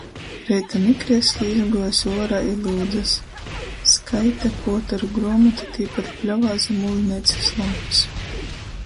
Reita mikrieslī izguojuse uorā i lyudzas. Skaita puotoru gruomotu tīpat pļovā zam ūļneicys lampys.